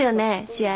試合。